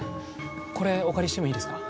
これお借りしてもいいですか？